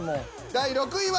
第６位は？